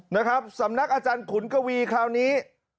นะครับสำนักอาจารย์ขุนกวีคราวนี้